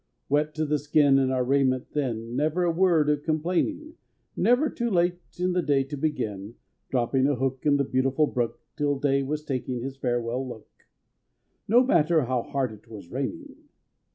Wet to the skin in our raiment thin— Never a word of complaining, Never too late in the day to begin; Dropping a hook in the beautiful brook Till day was taking his farewell look No matter how hard it was raining!